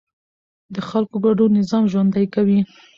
د خلکو ګډون نظام ژوندی کوي